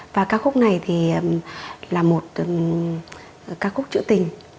và ca khúc này thì là một ca khúc trữ tình